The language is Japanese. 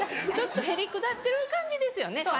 ちょっとへりくだってる感じですよね。